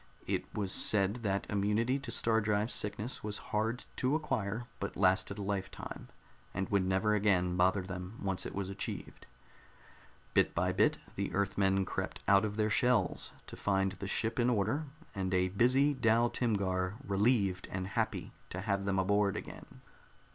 It was said that immunity to star drive sickness was hard to acquire, but lasted a lifetime, and would never again bother them once it was achieved. Bit by bit the Earthmen crept out of their shells, to find the ship in order and a busy Dal Timgar relieved and happy to have them aboard again.